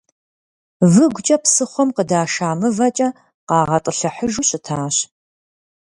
Выгукӏэ псыхъуэм къыдаша мывэкӏэ къагъэтӏылъыхьыжу щытащ.